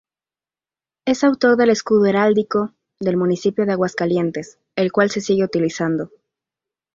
Es autor del escudo heráldico del municipio de Aguascalientes, el cual se sigue utilizando.